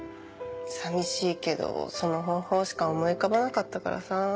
寂しいけどその方法しか思い浮かばなかったからさ。